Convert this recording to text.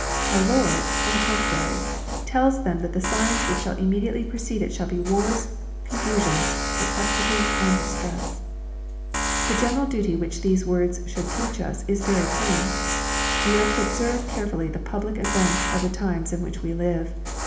Our Lord, on the contrary, tells them that the signs which shall immediately pre cede it shall be wars, confusions, perplexity, aijid distress. The general duty which these words should teach us is very plain. We are to observe carefully the public events of the times in which we live.